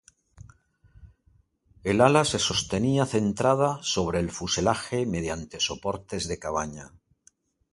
El ala se sostenía centrada sobre el fuselaje mediante soportes de cabaña.